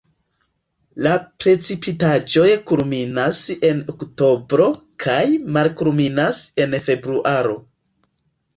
La precipitaĵoj kulminas en oktobro kaj malkulminas en februaro.